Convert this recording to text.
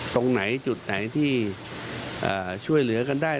ตรงไหนจุดไหนที่ช่วยเหลือกันได้